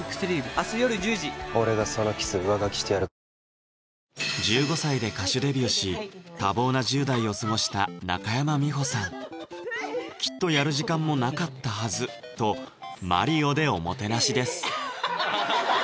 ニトリ１５歳で歌手デビューし多忙な１０代を過ごした中山美穂さんきっとやる時間もなかったはずと「マリオ」でおもてなしです